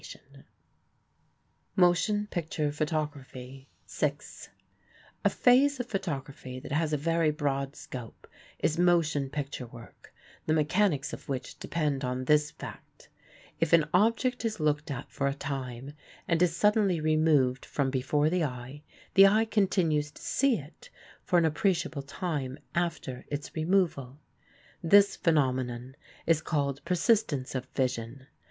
PHOTOGRAPH ILLUSTRATION FOR A STORY] PHOTOGRAPHY Motion Picture Photography SIX A phase of photography that has a very broad scope is motion picture work, the mechanics of which depend on this fact: If an object is looked at for a time and is suddenly removed from before the eye, the eye continues to see it for an appreciable time after its removal. This phenomenon is called "persistence of vision."